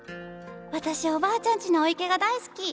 私おばあちゃんちのお池が大好き！